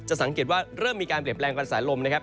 สังเกตว่าเริ่มมีการเปลี่ยนแปลงกระแสลมนะครับ